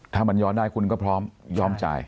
ถ้ามันย้อนได้คุณก็พร้อมยอมจ่าย